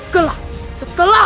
gelap setelah